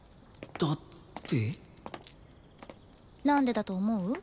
なんでだと思う？